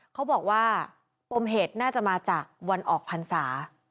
เขาบอกว่าปมเหตุน่าจะมาจากวันออกพรรษา